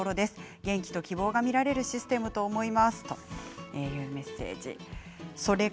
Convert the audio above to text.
元気と希望が見れるシステムだと思いますということです。